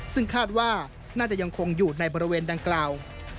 ซึ่งคาดว่าน่าจะยังคงอยู่ในบริเวณดังกล่าว